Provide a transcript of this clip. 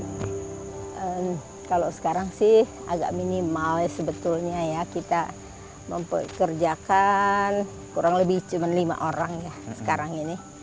kalau sekarang sih agak minimal ya sebetulnya ya kita mempekerjakan kurang lebih cuma lima orang ya sekarang ini